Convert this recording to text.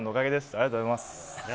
ありがとうございます。